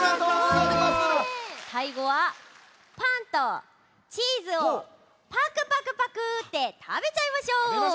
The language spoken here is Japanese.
さいごはパンとチーズをパクパクパクってたべちゃいましょう。